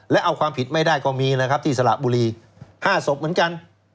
และเอาความผิดไม่ได้ก็มีนะครับที่สระบุรี๕ศพเหมือนกัน